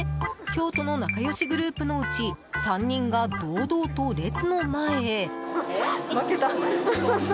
京都の仲良しグループのうち３人が堂々と列の前へ。